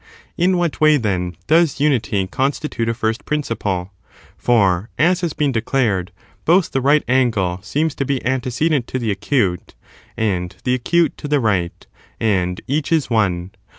In what way, then, does unity constitute a first principle 9 for, as has been declared, both the right angle seems to be ante cedent to the acute, and the acute to the right, and each is one.